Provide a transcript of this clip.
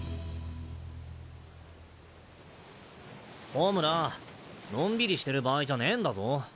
ホムラのんびりしてる場合じゃねえんだぞ。